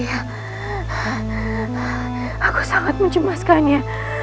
aku sangat mencumaskannya